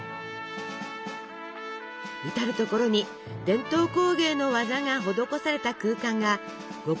至る所に伝統工芸の技が施された空間が極上の旅を演出します。